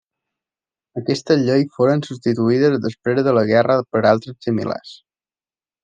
Aquestes lleis foren substituïdes després de la guerra per altres similars.